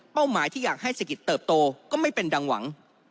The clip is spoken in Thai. หมายที่อยากให้เศรษฐกิจเติบโตก็ไม่เป็นดังหวัง